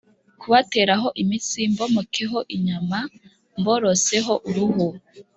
Kubateraho imitsi mbomekeho inyama mboroseho uruhu